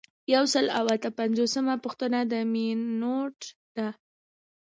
یو سل او اته پنځوسمه پوښتنه د مینوټ ده.